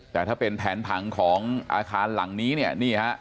แต่ถ้าเป็นแผนผังของอาคารหลังนี้เนี่ยนี่ฮะ